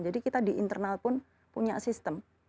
jadi kita di internal pun punya sistem